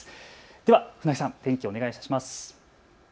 では船木さん、天気お願いします。